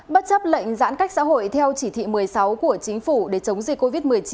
bất chấp lệnh giãn cách xã hội theo chỉ thị một mươi sáu của chính phủ để chống dịch covid một mươi chín